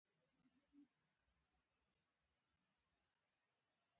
او که تا وښیم بیا انځور صاحب خپه کږي.